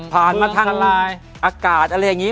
ผ่านมาทางไลน์อากาศอะไรอย่างนี้